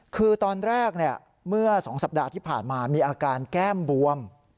คือตอนแรกเมื่อ๒สัปดาห์ที่ผ่านมามีอาการแก้มบวม